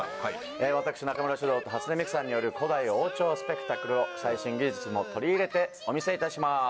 私中村獅童と初音ミクさんによる古代王朝スペクタクルを最新技術も取り入れてお見せいたします。